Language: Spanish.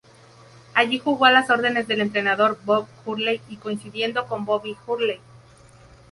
Allí jugó a las órdenes del entrenador Bob Hurley y coincidiendo con Bobby Hurley.